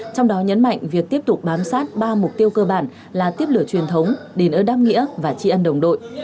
trong đó nhấn mạnh việc tiếp tục bám sát ba mục tiêu cơ bản là tiếp lửa truyền thống đền ơn đáp nghĩa và tri ân đồng đội